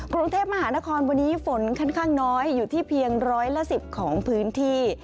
กรุงเทพมหานครวันนี้ฝนค่อนข้างน้อยอยู่ที่เพียงร้อยละ๑๐ของพื้นที่